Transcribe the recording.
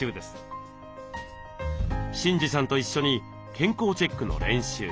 慎司さんと一緒に健康チェックの練習。